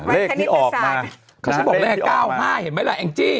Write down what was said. เลขที่ออกมาเขาฉันบอกเลข๙๕เห็นไหมล่ะแองจี้